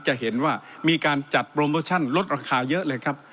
จะเห็นว่ามีการจัดโปรโมชั่นลดราคาเยอะเลยครับ